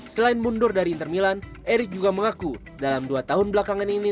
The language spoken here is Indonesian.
selain mundur dari inter milan erick juga mengaku dalam dua tahun belakangan ini